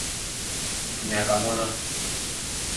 Nyaka mɔ́ ná: